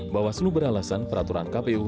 bawaslu beralasan peraturan kpu